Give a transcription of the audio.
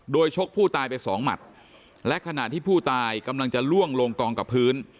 โดยชกผู้ตายไปสองหมัดและขณะที่ผู้ตายกำลังจะล่วงลงกองกับพื้น